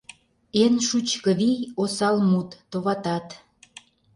Эн шучко вий — осал мут, товатат.